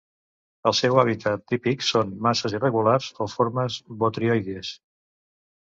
El seu hàbit típic són masses irregulars o formes botrioides.